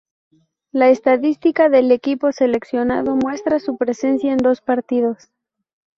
La estadística del equipo seleccionado muestra su presencia en dos partidos.